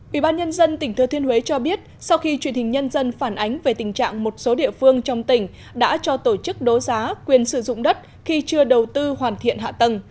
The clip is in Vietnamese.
ủy ban nhân dân tỉnh thừa thiên huế cho biết sau khi truyền hình nhân dân phản ánh về tình trạng một số địa phương trong tỉnh đã cho tổ chức đấu giá quyền sử dụng đất khi chưa đầu tư hoàn thiện hạ tầng